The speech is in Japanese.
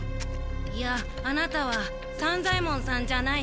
いやアナタは山左ヱ門さんじゃない。